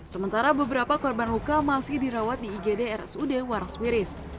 sementara beberapa korban luka masih dirawat di igd rsud waraswiris